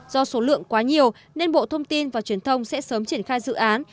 do số lượng quá nhiều nên bộ thông tin và truyền thông sẽ sớm triển khai dự án